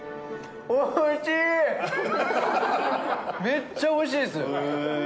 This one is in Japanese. めっちゃおいしいですへえ